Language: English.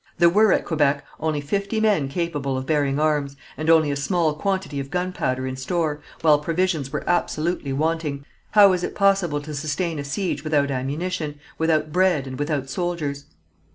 There were at Quebec only fifty men capable of bearing arms, and only a small quantity of gunpowder in store, while provisions were absolutely wanting. How was it possible to sustain a siege without ammunition, without bread and without soldiers?